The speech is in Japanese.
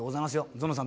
ゾノさん